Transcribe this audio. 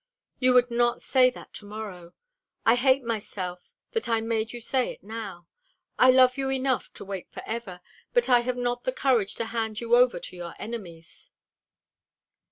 "You would not say that to morrow. I hate myself that I made you say it now. I love you enough to wait forever, but I have not the courage to hand you over to your enemies."